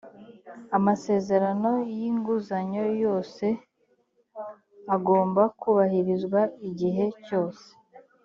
amasezerano y’inguzanyo yose agomba kubahirizwa igihe cyose